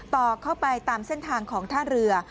ต่อเข้าไปตามเส้นทางของท่าเรือ